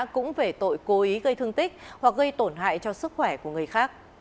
cũng về tội cố ý gây thương tích hoặc gây tổn hại cho sức khỏe của người khác